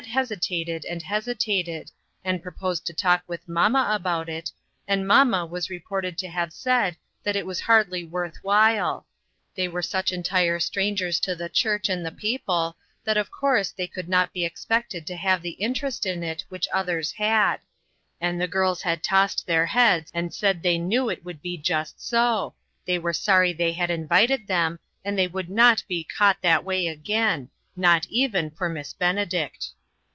139 hesitated and hesitated, and proposed to talk with mamma about it, and mamma was re ported to have said that it was hardly worth while; they were such entire strangers to the church and the people that of course they could not be expected to have the in terest in it which others had ; and the girls had tossed their heads and said they knew it would be just so, they were sorry the}' had invited them, and they would not be caught that way again, not even for Miss Benedict.